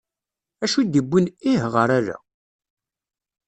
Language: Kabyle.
Acu i d iwwin ih ɣer ala?